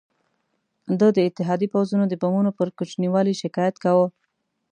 ده د اتحادي پوځونو د بمونو پر کوچني والي شکایت کاوه.